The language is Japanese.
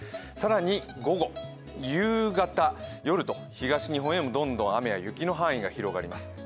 さらに午後、夕方、夜と東日本へどんどん雨や雪の範囲が広がります。